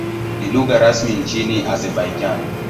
Ni lugha rasmi nchini Azerbaijan.